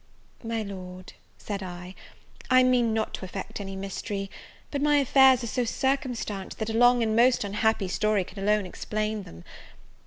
"My Lord," said I, "I mean not to affect any mystery, but my affairs are so circumstanced, that a long and most unhappy story can alone explain them.